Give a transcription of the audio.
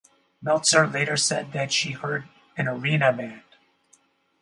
Meltzer later said that she heard "an arena band".